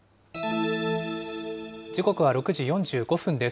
時刻は６時４５分です。